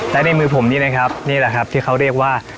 และในมือผมนี่นะครับนี่แหละครับที่เขาเรียกว่า